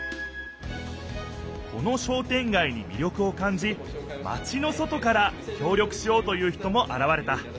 この商店街にみりょくをかんじマチの外からきょう力しようという人もあらわれた。